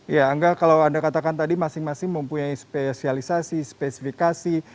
ya angga kalau anda katakan tadi masing masing mempunyai spesialisasi spesifikasi